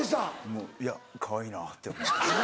もういやかわいいなぁって。